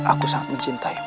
aku sangat mencintaimu